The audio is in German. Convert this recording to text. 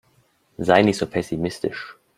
Sei nicht so pessimistisch.